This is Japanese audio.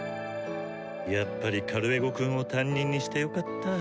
やっぱりカルエゴくんを担任にしてよかった。